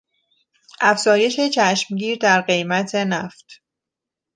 افزایش چشمگیر در قیمت نفت